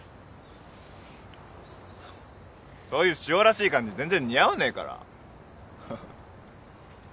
そういうしおらしい感じ全然似合わねえから。